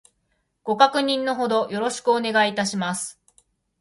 ご確認の程よろしくお願いいたします